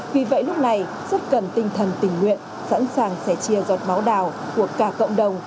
vì vậy lúc này rất cần tinh thần tình nguyện sẵn sàng sẻ chia giọt máu đào của cả cộng đồng